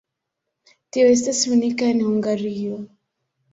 Tio estas unika en Hungario.